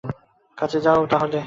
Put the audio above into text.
কাজে যাও তাহলে।